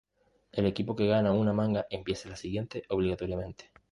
El equipo que gana una manga empieza la siguiente obligatoriamente.